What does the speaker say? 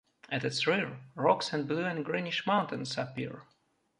At its rear, rocks and blue and greenish mountains appear.